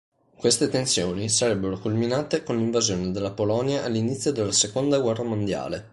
Queste tensioni sarebbero culminate con l'invasione della Polonia all'inizio della seconda guerra mondiale.